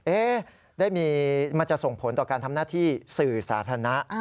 มันจะส่งผลต่อการทำหน้าที่สื่อสาธารณะ